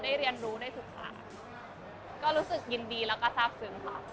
เรียนรู้ได้ศึกษาก็รู้สึกยินดีแล้วก็ทราบซึ้งค่ะ